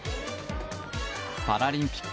パラリンピック